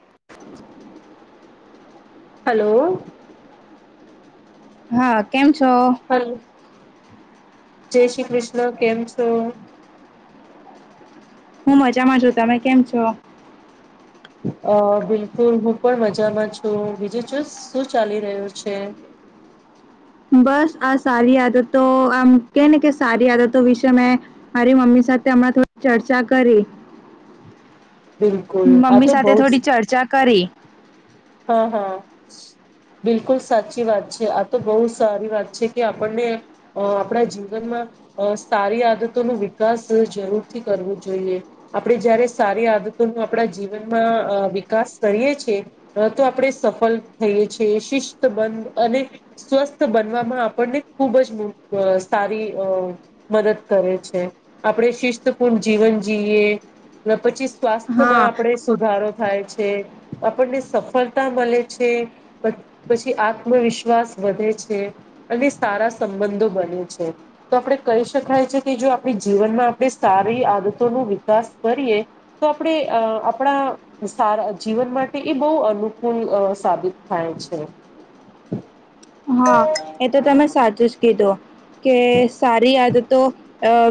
[inaudible] Hello હા કેમ છો? હલો જય શ્રી કૃષ્ણ કેમ છો? હું મજામાં છું તમે કેમ છો? હ અ બિલકુલ હું પણ મજામાં છું બીજું ચું શું ચાલી રહ્યું છે. [inaudible] બસ આ સારી આદતો આમ કે ને કે સારી આદતો વિશે મેં મારી મમ્મી સાથે તેમણા થોડી ચર્ચા કરી. બિલકુલ આ મમ્મી તો સાથે બહુત સ થોડી ચર્ચા કરી હા હા બિલકુલ સાચી વાત છે આ તો બહુ સારી વાત છે કે આપણને આપણા જીવનમાં સારી આદતો નુ વિકાસ જરૂરથી કરવો જોઈએ આપડે જયારે સારી આ બાબતો ન આપણા જીવનમાં વિકાસ કરીએ છીએ. તો આપણે સફળ થઈએ છીએ શિસ્ત બન અને સ્વસ્થ બનવામાં આપણને ખૂબ જ સારી મદદ કરે છે આપણે શિસ્તપૂર્ણ જીવન જીએ પછી હા સ્વાસ્થ્યમાં આપણે સુધારો થાય છે આપણને સફળતા મળે છે પછી આત્મવિશ્વાસ વધે છે અને સા રા સંબંધો બને છે તો આપણે કહી શકાય કે જો આપણી જીવનમાં આપણે સારી આદ તો નુ વિકાસ કરીએ તો આપણે અ આપણા સારા જીવન માટે એક બહુ અનુકૂલ સાબિત થાય છે. હા એ તો તમે સાચું જ કીધું. કે સારી આદતો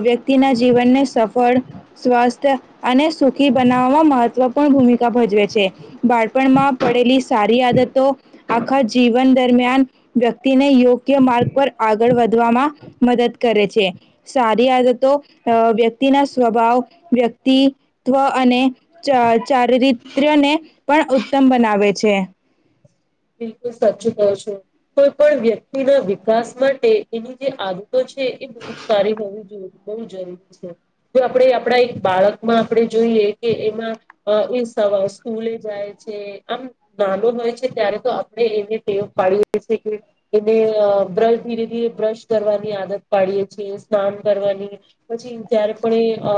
વ્યક્તિના જીવનને સફળ સ્વસ્થ અને સુખી બનાવવામાં મહત્વપૂર્ણ ભૂમિકા ભજવે છે બાળપણમાં પડેલી સારી આદત તો આખા જીવન દરમિયાન વ્યક્તિને યોગ ગ્ય માર્ગ પર આગળ વધવામાં મદદ કરે છે સારી આદત તો વ્યક્તિના સ્વભાવ વ્યક્તિત્વ અને અ ચારિત્ર્યને પણ ઉત્તમ બનાવે છે. બિલકુલ સાચચુ કહો છો કોઈ પણ વ્યક્તિના વિકાસ માટે એની જે આદતો એ બ સારી હોવી જોઈરી જો આપણે આપણા એક બાળકમાં આપણે જોઈ કે કે એમાં અ સવારે સ્કૂલે જાય છે આમ નાનો હોય છે ત્યારે તો આપણે એને તેવ પાડી છે કે એને અ બ્રશ ધીરે ધીરે બ્રશ કરવાની આદત પાડીએે છીએ સ્નાન કરવાની પછી જયારે પણ એ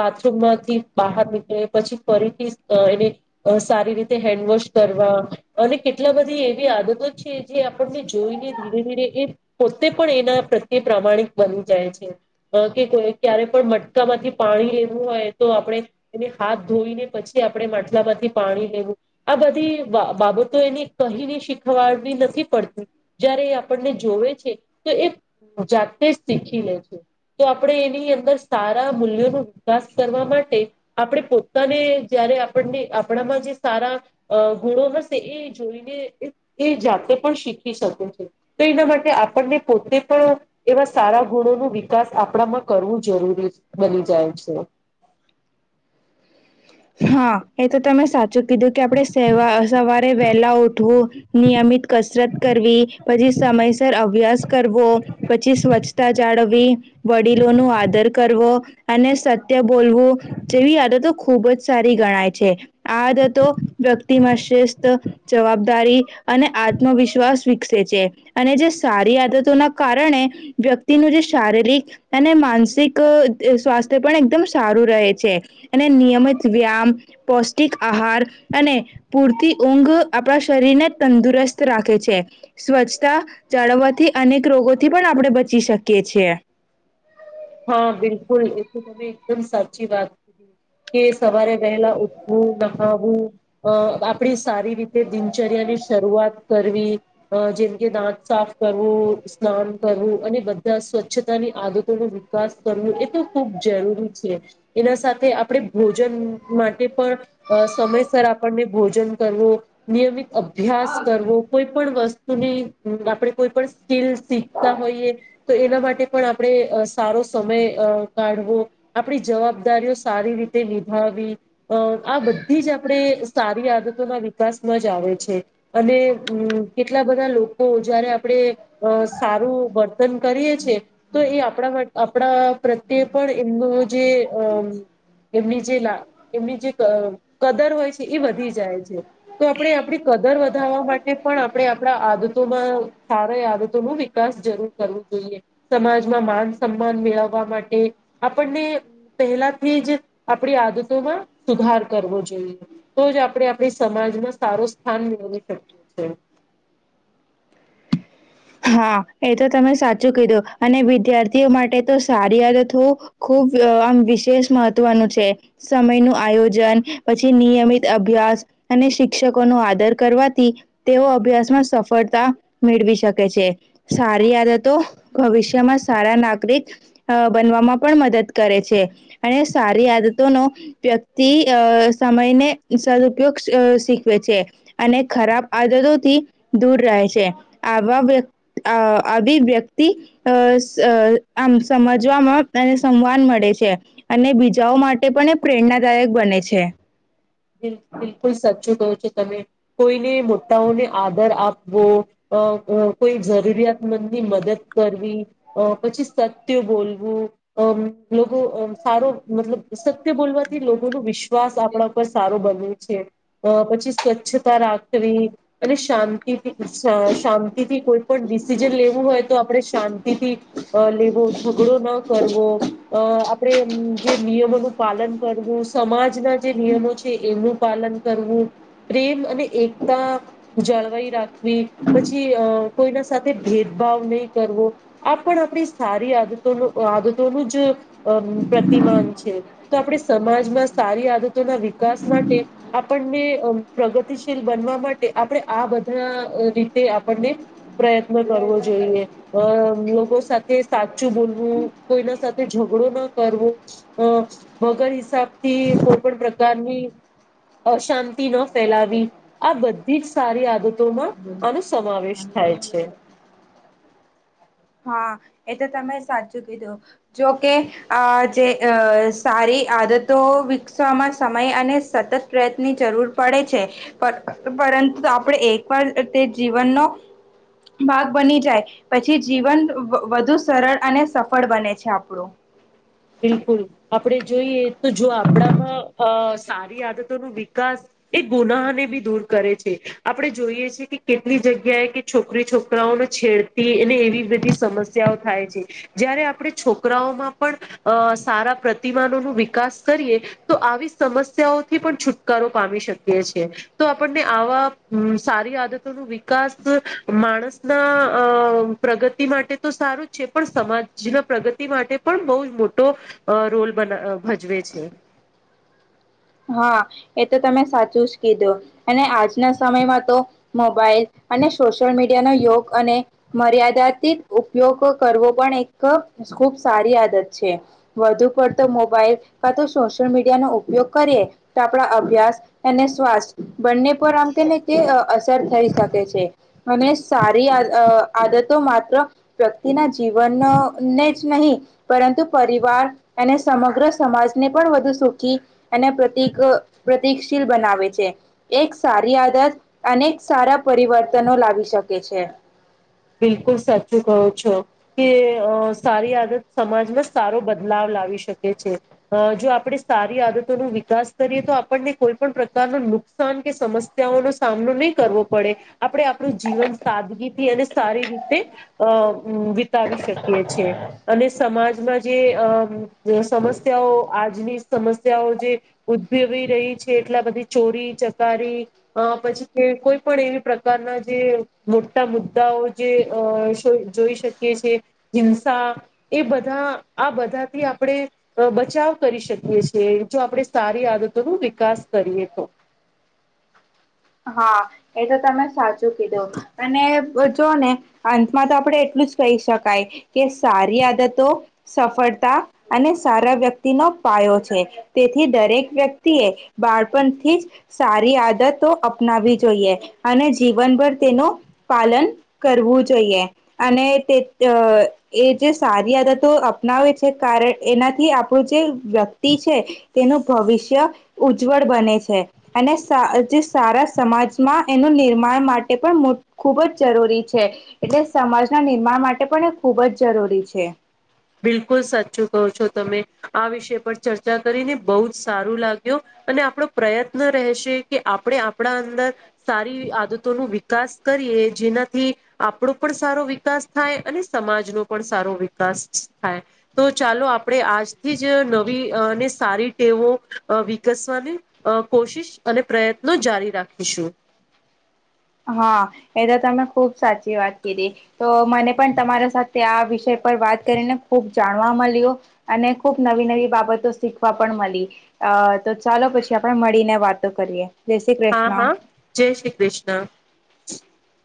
બાથરૂમ માંથી બહાર બાર નીકળે પછી ફરીથી એને સારી રીતે હેન્ડવોશ કરવા અને કેટલા બધી એવી આદતો છે જે આપણને જોઈને ધીરે ધીરે એ પોતે પણ એના પ્રત્યે પ્રામાણિક બની જાય છે અ કે ક્યારે પણ મટકા માંથી પાણી લેવું હોય તો આપણે એને હાથ ધોઈને પછી આપણે માટલામાંથી પાણી લેવું આ બધી બા બાબત તો એની કહીની શીખવાડવી નથી પડતી જયારે એ આપણને જોવે છે તો એ હું જાતે જ શીખી લેજો તો આપણે એની અંદર સારા મૂલ્યોનો વિકાસ કરવા માટે આપણે પોતાને જયારે રે આપને આપણામાં જે સારા અ ગુણો હશ તે એ જોઈને એ એ જાતે પણ શીખી શકે છે તો એના માટે આપણને પોતે પણ એવા સારા ગુણો નુ વિકાસ આપણામાં કરવું જરૂરી બની જાય છે [inaudible] હા એ તો તમે સાચું કીધું કે આપણે સેવા અ સવારે વહેલા ઉઠવું નિયમિત કસરત કરવી પછી સમયસર અભ્યાસ કરવો પછી સ્વચ્છતા જાળવી વડીલો નુ આદર કરવો અને સત્ય બોલવું જેવી આદતો ખૂબ જ સારી ગણાય છે આદતો વ્યક્તિમાં શિસ્ત જવાબદારી અને આત્મવિશ્વાસ વિકસે છે અને જે સારી આદતોના કારણે વ્યક્તિનું ત્રીસા શારીરિક અને માનસિક એ સ્વાસ્થ્ય પણ એકદમ સારું રહે છે અને નિયમિત વ્યામ પૌષ્ટિક આહાર અને પૂરતી ઊંઘ આપણા શરીરને તંદુરસ્ત સ્વસ્થ રાખે છે સ્વચ્છતા જાળવવાથી અનેક રોગોથી પણ આપણે બચી શકીએ છીએ હા બિલકુલ એ તો તમે એકદમ સાચી વાત કે સવારે વહેલા ઉઠવું નહાવું અ આપડી સારી રીતે દિનચર્યાની શઆત કરવી અ જેમકે દાંત સાફ કરવું સ્નાન કરવું અને બધા સ્વચ્છતાની આદતોનું વાત કરવુ એ તો ખૂબ જરૂરી છે એના સાથે આપણે ભોજન માટે પણ અ સમયસર આપણને ભોજન કરવું નિયમિત અભ્યાસ કરવો કોઈ પણ વસ્તુની આપણે કોઈ પણ સ્કીલ શીખતા હોઈએ તો એના માટે પણ આપણે અસ સારો સમય અ કાઢવો આપણી જવાબદારીઓ સારી રીતે નિભાવી અ આ બધી જ આપણે સારી આદતોના વિકાસમાં જ આવે છે અને હૂ કેટલા એના બધા લોકો જયારે આપણે અ સારું વર્તન કરીએ છીએ તો એ આપણા માટે આપણા આ પ્રત્યે પણ એમનું જે અમ એમની જે લા એમની જે ક કદર હોય છે એ વધી જાય છે તો આપણે આપણી ક કદર વધારવા માટે પણ આપણે આપણા આદતોમાં સારા આદતો નુ વિકાસ જરૂર કરવું જરૂર જોઈએ સમાજમાં માન સમાન મેળવવા માટે આપણને પહેલાથી જ આપણી આદતોમાં સુધારા ઉઘાર કરવો જોઈએ તો જ આપણે આપણી સમાજમાં સારું સ્થાન મેળવી શકીએ [inaudible] હા એ તો તમે સાચું કીધું અને વિદ્યાર્થીઓ માટે તો સારી આદત તો ખૂબ અ આમ વિશેષ મહત્વનું છે સમય નું આયોજન પછી નિયમિત અભ્યાસ અને શિક્ષકો નો આદર કરવાથી તેઓ અભ્યાસમાં સફળતા મેળવી શકે તે છે સારી આદતો ભવિષ્યમાં સારા નાગરિક અ બનવામાં પણ મદદ કરે છે અને સારી આદતો નો વ્યક્તિ અ સમયને સલ વૃક્ષ શીખવે છે અને ખરાબ આદતોથી દૂર રહે છે વાવે આ આ આવી વ્યક્તિ અ સ આમ સમજવામાં એસ સંવાન મળે છે અને બીજાઓ માટે પણ એ પ્રેરણાદાયક બને છે બિલ બિલકુલ સચું તો ત કોઈને મોટાઓને આદર આપવો કોઈ જરૂરિયાતમ મદદ કરવી પછી સત્ય બોલવું આમ લોકો મતલબ સત્ય બોલવાથી લોકો ન વિશ્વાસ આપણા ઉપર સારો બને છે અ પછી સ્વચ્છતા રાખવી અને શાંત શાંતિથી કોઈ પણ ડિસિઝન લેવું હોય તો આપણે શાંતિથી લેવું ઝગડો ન કરવો અ આપડે જે નિયમોનું પાલન કરવું સમાજના જે નિયમો છે એમનું પાલન કરવું પ્રેમ અને એકતા જાળવાઈ રાખવી પછી અ કોઈના સાથે ભેદ ભાવ નહી કરવો આપ આપણી સારી આદતો આદતોનું જ પ્રતિક છે તો આપણે સમાજમાં સારી આદત ના વિકાસ માટે આપણને પ્રગતિશીલ બનવા માટે આપણે આ બધા રીતે આપણને પ્રયત્ન કરવો જોઈએ લોકો સાથે સાચું બોલવું કોઈના સાથે ઝઘડો ના કરવો અ વગર હિસાબ થી કોઈ પણ પ્રકારની અશાંતિ ન ફેલાવી આ બધી જ સારી આદતોમાં આનો સમાવેશ થાય છે હા એ તો તમે સાચું કીધું જોકે આ જે અ સારી આદતો વિકસવામાં સમય અને સતત પ્રયત્નની જરૂર પડે છે પરંતુ આપણે એકવાર તે જીવનનો ભાગ બની જાય પછી જીવન વધુ સરળ અને સફળ બને છે આપણું બિલકુલ આપણે જોઈએ તો જો આપણામાં સારી આદતો ન વિકાસ એ ગુનાહને બી દૂર કરે છે આપણે જોઈએ છે કે કેટલી જગ્યાએ કે છોકરી છોકરાઓને છેડતી અને એવી બધી સમસ્યાઓ થાય જયારે આપણે છોકરાઓમાં પણ અ સારા પ્રતિમાનો ન વિકાસ કરીએ તો આવી સમસ્યાઓથી પણ છુટકારો પામી શકે એ છે તો આપણને આવા સારી આદતોનો વિકાસ માણસના પ્રગતિ માટે તો સારું જ છે પણ સમાજના પ્રગતિ માટે પણ બહુ જ મોટો રોલ ભજવે છે હા એ તો તમે સાચું જ કીધું અને આજના સમયમાં તો મોબાઈલ અને સોશિયલ મીડિયા ન યોગ અને મર્યાદિત ઉપયોગ કરવો પણ એક ખુબ સારી આદત છે વધુ પડતો મોબાઈલ કાતો સોશિયલ મીડિયા નો ઉપયોગ કરીએ તો આપણા અભ્યાસ અને સ્વાસ્થ બંને પર આમ કેને કે અસર થઈ શકે છે અને સારી આદત તો મા વ્યક્તિના જીવનને જ નહીં પરંતુ પરિવાર અને સમગ્ર સમાજને પણ વધુ સુખી અને પ્રતિક પ્રતિકશીલ બનાવે છે એક સારી આદત અને સારા પરિવર્તનો લાવી શકે છે બિલકુલ સાચું કહો છો કે સારી આદત સમાજમાં સારો બદલાવ લાવી શકે છે જો આપડે સારી આદતોનું વિકાસ કરીએ તો આપણને કોઈ પણ પ્રકાર ન નુકસાન કે સમસ્યાઓનો સામનો નહીં કરવો પડે આપણે આપણું જીવન સાદગીથી અને સારી રીતે અ વિતાવી શકીએ છીએ અને સમાજમાં જે અ સમસ્યાઓ આજની સમસ્યાઓ જે ઉદભવી રહી છે એટલે આ બધી ચોરી ચકારી પછી કોઈ પણ એવી પ્રકારના જે મોટા મુદ્દા મુદાઓ જે જોઈ શકીએ છે હિંસા એ બધા આ બધા થી આપણે બચાવ કરી શકીએ છીએ જો આપણે સારી આદતોનો વિકાસ કરીએ તો [inaudible] હા એ તો તમે સાચું કીધું અને જોવુંઓ ને અંતમાં તો આપડે એટલું જ કહી શકાય કે, સારી આદતો, સફળતા અને સારા વ્યક્તિનો છે. તેથી દરેક વ્યક્તિ એ બાળપણથી જ, સારી આદતો અપનાવી જોઈએ. અને જીવનભર તેનું પાલન કરવું જોઈએ. અને તે, એ જે સારી આદતો અપનાવે છે. કારણ એનાથી આપણું જે વ્યક્તિ છે. ભવિષ્ય ઉજ્જવળ બને છે. અને જે સારા સમાજમાં એનું નિર્માણ માટે પણ મોટુ, ખૂબ જ જરૂરી છે. એટલે સમાજના નિર્માણ માટે પણ, એ ખૂબ જ જરૂરી છે. બિલકુલ સાચું કહો છો તમે, આ વિષય પર ચર્ચા કરીને બહુ જ સારું લાગ્યું. અને આપણો પ્રયત્ન રહેશે કે, આપણે આપણા અંદર સારી આદતો ન વિકાસ કરી જેનાથી, આપણો પણ સારો વિકાસ થાય, અને સમાજનો પણ સારો વિકાસ થાય. તો ચાલો, આપણેે આજથી જ નવી અંને સારી ટેવો વિકા અને કોશિશ અને પ્રયત્નો જારી રાખીશું. હા એ તો તમે ખુબ સાચી વાત કીધી, તો મને પણ તમારા સાથે આ વિષય વિષ પર વાત કરીને, ખૂબ જાણવા મળ્યો, અને ખુબ નવી નવી બાબતો શીખવા પણ મળી. અ તો ચાલો પછી, આપણે મળીને વાતો કરીએ. જય શ્રી હા કૃષ્ણ હા જય શ્રી કૃષ્ણ! [inaudible]